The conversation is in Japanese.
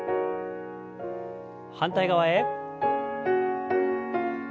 反対側へ。